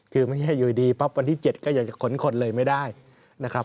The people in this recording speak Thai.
คือไม่ใช่อยู่ดีปั๊บวันที่๗ก็อยากจะขนคนเลยไม่ได้นะครับ